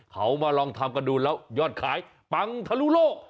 เขามาลองทำกันดูแล้วยอดขายปังทะลุโลก